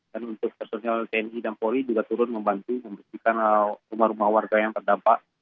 dan untuk personal tni dan poli juga turun membantu membersihkan rumah rumah warga yang terdampak